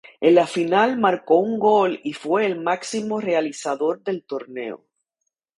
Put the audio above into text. En la final marcó un gol y fue el máximo realizador del torneo.